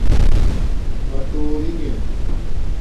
پھٹورنݣہ